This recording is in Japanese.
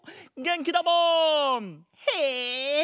へえ！